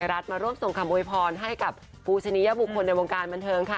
รัฐมาร่วมส่งคำโวยพรให้กับปูชนิยบุคคลในวงการบันเทิงค่ะ